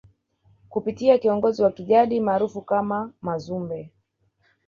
kupitia kiongozi wa kijadi maarufu kama Mazumbe